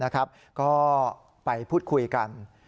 ก็ไปพูดคุยกัน